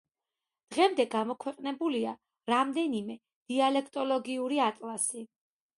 დღემდე გამოქვეყნებულია რამდენიმე დიალექტოლოგიური ატლასი.